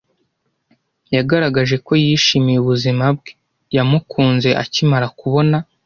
Yagaragaje ko yishimiye ubuzima bwe. Yamukunze akimara kubona.